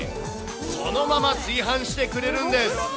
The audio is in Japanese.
そのまま炊飯してくれるんです。